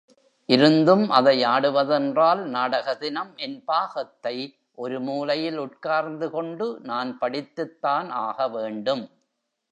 இருந்தும் அதை ஆடுவ தென்றால் நாடக தினம் என் பாகத்தை, ஒரு மூலையில் உட்கார்ந்துகொண்டு நான் படித்துத்தான் ஆகவேண்டும்.